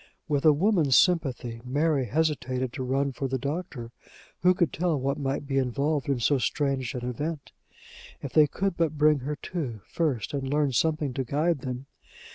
With a woman's sympathy, Mary hesitated to run for the doctor: who could tell what might be involved in so strange an event? If they could but bring her to, first, and learn something to guide them!